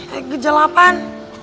eh gejala apaan